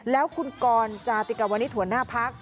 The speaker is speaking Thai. แล้วคุณกรจาติกาวนิทหัวหน้าพลักษณ์